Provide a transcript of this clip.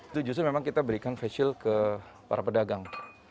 itu justru memang kita berikan facial ke para pedagang